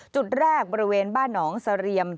จุดแรกบริเวณบ้านหนองเสรียม